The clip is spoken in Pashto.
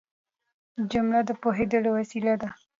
جمله د پوهېدو وسیله ده.